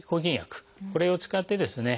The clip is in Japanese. これを使ってですね